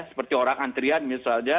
seperti orang antrian misalnya